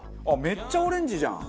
めっちゃオレンジじゃん！